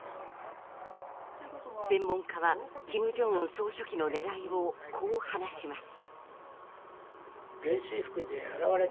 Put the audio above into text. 専門家は、金正恩総書記の狙いをこう話します。